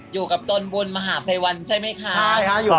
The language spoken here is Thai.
อยู่กับตนบุญมหาภัยวัลใช่ไหมครับ